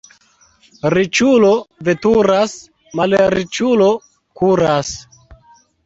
Riĉulo veturas, malriĉulo kuras.